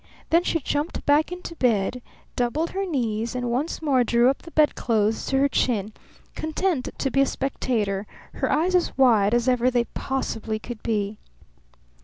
Then she jumped back into bed, doubled her knees, and once more drew up the bedclothes to her chin, content to be a spectator, her eyes as wide as ever they possibly could be.